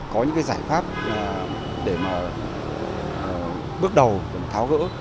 có những cái giải pháp để mà bước đầu tháo gỡ